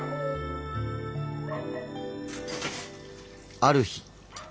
ある日。